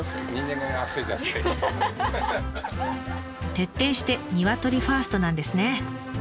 徹底してニワトリファーストなんですね。